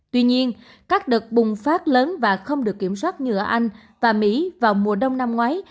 tuy nhiên các đợt bùng phát lớn và không được kiểm soát như ở anh và mỹ vào mùa đông năm ngoái